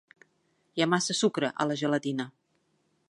Hi ha massa sucre a la gelatina.